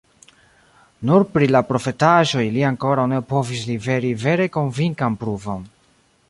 Nur pri la profetaĵoj li ankoraŭ ne povis liveri vere konvinkan pruvon.